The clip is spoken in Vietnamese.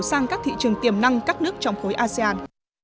sang các thị trường tiềm năng các nước trong khối asean